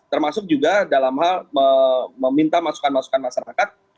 termasuk juga dalam hal meminta masukan masukan masyarakat